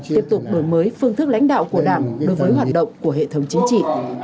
tiếp tục đổi mới phương thức lãnh đạo của đảng đối với hoạt động của hệ thống chính trị